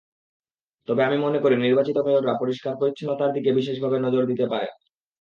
তবে আমি মনে করি, নির্বাচিত মেয়ররা পরিষ্কার-পরিচ্ছন্নতার দিকে বিশেষভাবে নজর দিতে পারেন।